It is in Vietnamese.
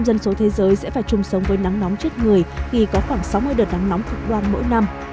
bảy mươi năm dân số thế giới sẽ phải chung sống với nắng nóng chết người khi có khoảng sáu mươi đợt nắng nóng cực đoan mỗi năm